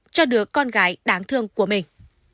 cho đứa con gái đáng thương của mình